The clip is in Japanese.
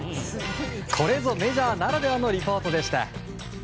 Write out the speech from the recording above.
これぞメジャーならではのリポートでした。